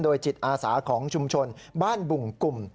จิตอาสาของชุมชนบ้านบุ่งกลุ่ม